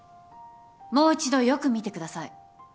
もう一度よく見てください。